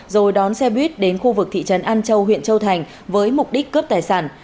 rồi đón xe buýt đến khu vực thị trấn an châu huyện châu thành với mục đích cướp tài sản